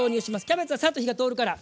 キャベツはサッと火が通るから。